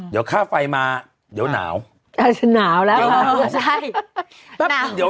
เดี๋ยวค่าไฟมาเดี๋ยวหนาวกาสหนาวแล้วใช่